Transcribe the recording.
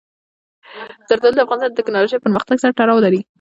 زردالو د افغانستان د تکنالوژۍ پرمختګ سره تړاو لري.